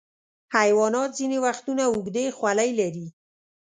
حیوانات ځینې وختونه اوږدې خولۍ لري.